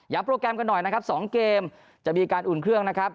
โปรแกรมกันหน่อยนะครับ๒เกมจะมีการอุ่นเครื่องนะครับ